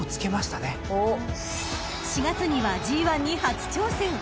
［４月にはＧⅠに初挑戦］